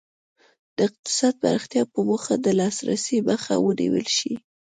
د اقتصادي پراختیا په موخه د لاسرسي مخه ونیول شي.